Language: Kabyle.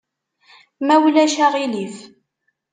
Ma ulac aɣilif.